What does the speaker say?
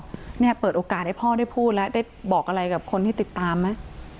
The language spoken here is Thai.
เนี่ยเปิดโอกาสให้พ่อได้พูดแล้วได้บอกอะไรกับคนที่ติดตามไหม